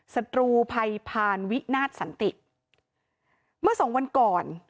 ศัตรูภัยพานวินาทสันติเมื่อสองวันก่อน